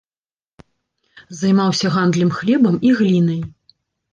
Займаўся гандлем хлебам і глінай.